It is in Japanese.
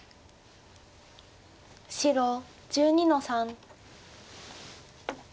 白１２の三。